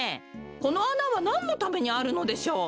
このあなはなんのためにあるのでしょう？